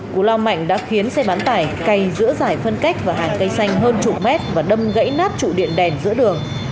cú lao mạnh đã khiến xe bán tải cày giữa giải phân cách và hàng cây xanh hơn chục mét và đâm gãy nát trụ điện đèn giữa đường